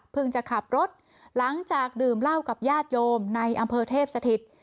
จะขับรถหลังจากดื่มเหล้ากับญาติโยมในอำเภอเทพสถิต